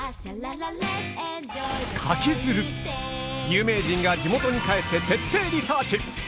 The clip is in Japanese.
有名人が地元に帰って徹底リサーチ！